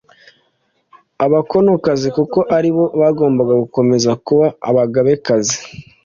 Abakonokazi kuko ari bo bagombaga gukomeza kuba abagabekazi